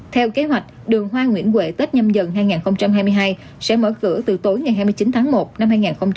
theo kế hoạch đường hoa nguyễn huệ tết nhâm dần hai nghìn hai mươi hai sẽ mở cửa từ tối ngày hai mươi chín tháng một năm hai nghìn hai mươi